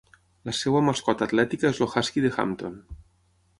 La seva mascota atlètica és el Husky de Hampton.